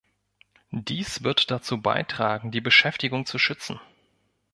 Dies wird dazu beitragen, die Beschäftigung zu schützen.